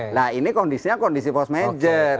nah ini kondisinya kondisi postmanager